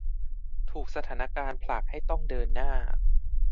ถูกสถานการณ์ผลักให้ต้องเดินหน้า